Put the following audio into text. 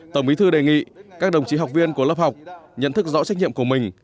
tổng bí thư đề nghị các đồng chí học viên của lớp học nhận thức rõ trách nhiệm của mình